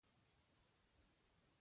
دغه یو تن تر موږ ټولو مخکې راغلی.